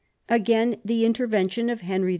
Again the intervention of Henry II.